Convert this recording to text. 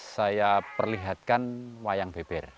saya perlihatkan wayang beber